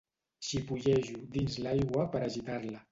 Xipollejo dins l'aigua per agitar-la.